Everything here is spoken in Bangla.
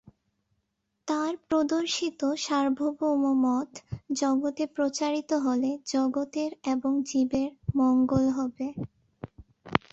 তাঁর প্রদর্শিত সার্বভৌম মত জগতে প্রচারিত হলে জগতের এবং জীবের মঙ্গল হবে।